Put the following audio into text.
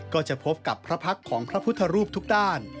ก็จะพบกับพระพักษ์ของพระพุทธรูปทุกด้าน